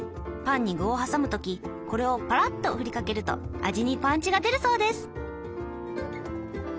パンに具を挟む時これをパラッとふりかけると味にパンチが出るそうです。